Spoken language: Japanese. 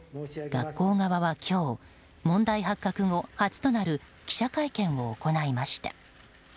学校側は今日問題発覚後初となる記者会見を行いました。